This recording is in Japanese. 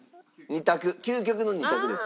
２択究極の２択です。